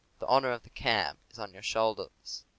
The honor of the camp is on your shoulders.